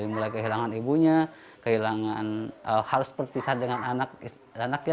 mulai kehilangan ibunya kehilangan harus berpisah dengan anaknya